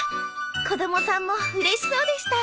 子供さんもうれしそうでした。